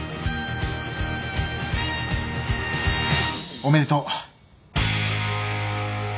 おめでとう。